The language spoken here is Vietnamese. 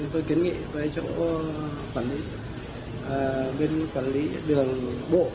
tôi kiến nghị với chỗ quản lý đường bộ